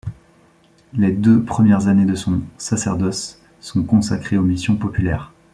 Les deux premières années de son sacerdoce sont consacrées aux missions populaires.